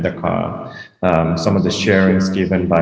beberapa perbagian yang diberikan